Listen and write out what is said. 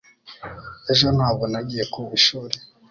Ejo ntabwo nagiye ku ishuri